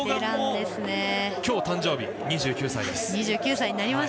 今日誕生日の２９歳です。